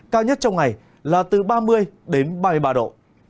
cao nhất trong ngày là từ ba mươi đến ba mươi ba độ